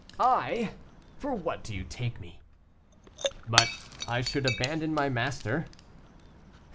"I! for what do you take me?" "But I should abandon my master."